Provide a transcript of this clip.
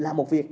là một việc